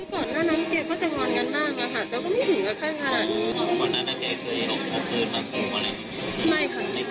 ก็ไม่คิดว่าเกลียดจะทำแบบนี้